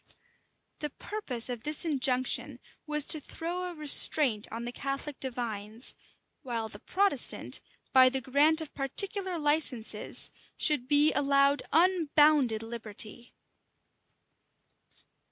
The purpose of this injunction was to throw a restraint on the Catholic divines; while the Protestant, by the grant of particular licenses, should he allowed unbounded liberty.